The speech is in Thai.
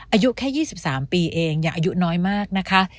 อายุแค่๒๓ปีเองอย่าอายุน้อยมากนะคะ